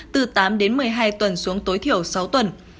từ tám đến một mươi hai tuần xuống tối thiểu sáu tuần